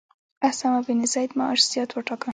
اسامه بن زید معاش زیات وټاکه.